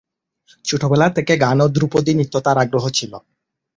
ছোটবেলা থেকেই গান ও ধ্রুপদী নৃত্যে তার আগ্রহ ছিল।